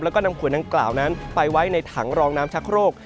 แล้วก็นำขวดดังกล่าวนั้นไปไว้ในถังรองน้ำชักโรค